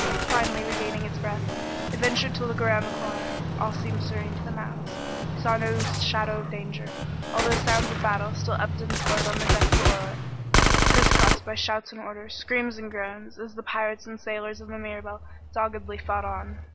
Finally regaining its breath, it ventured to look around the corner. All seemed serene to the mouse, who saw no shadow of danger, although sounds of battle still ebbed and flowed on the deck below it, crisscrossed by shouts and orders, screams and groans, as the pirates and the sailors of the Mirabelle doggedly fought on.